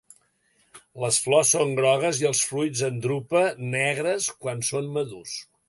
Les flors són grogues i els fruits en drupa negres quan són madurs.